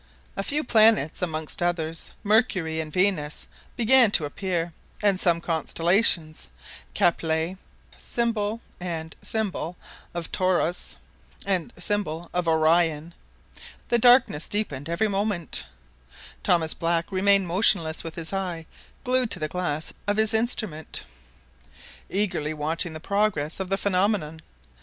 A few planets, amongst t others Mercury and Venus, began to appear, and some constellations—Caplet, [symbol] and [symbol] of Taurus, and [symbol] of Orion. The darkness deepened every moment. Thomas Black remained motionless with his eye glued to the glass of his instrument, eagerly watching the progress of the phenomenon.